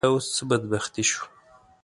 دا اوس څه بدبختي شوه.